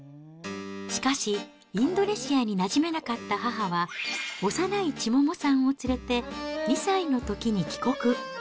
しかし、インドネシアになじめなかった母は、幼い千桃さんを連れて２歳のときに帰国。